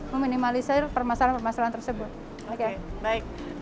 meminimalisir permasalahan permasalahan tersebut oke baik